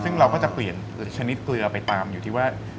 ซึ่งเราก็จะเปลี่ยนชนิดเกลือไปตามอยู่ที่ว่า